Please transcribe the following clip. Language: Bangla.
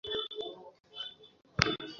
তোমরা চারজন ওর বাসায় যাও।